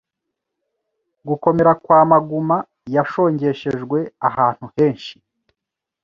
gukomera kwa maguma yashongeshejwe ahantu henshi